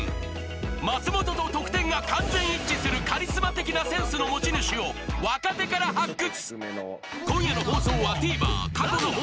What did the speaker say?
松本と得点が完全一致するカリスマ的なセンスの持ち主を若手から発掘